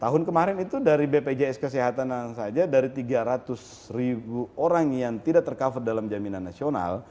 tahun kemarin itu dari bpjs kesehatan saja dari tiga ratus ribu orang yang tidak tercover dalam jaminan nasional